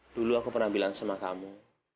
dulu aku pernah bilang sama kamu